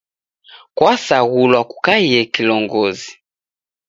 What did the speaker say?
Kwasaghulwa kukaie kilongozi